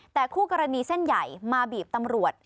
แต่คู่กรณีเส้นใหญ่มาบีบตำรวจ